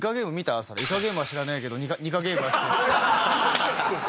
っつったら『イカゲーム』は知らないけどニカゲームは好きって。